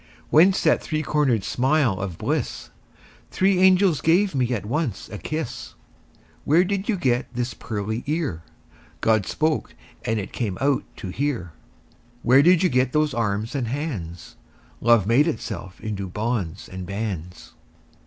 Whence that three cornered smile of bliss? Three angels gave me at once a kiss. Where did you get this pearly ear? God spoke, and it came out to hear. Where did you get those arms and hands? Love made itself into bonds and bands.